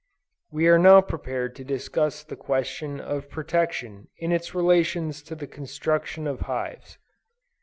We are now prepared to discuss the question of protection in its relations to the construction of hives.